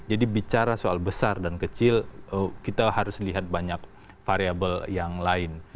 jadi bicara soal besar dan kecil kita harus lihat banyak variabel yang lain